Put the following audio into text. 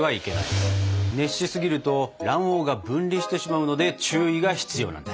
熱しすぎると卵黄が分離してしまうので注意が必要なんだ。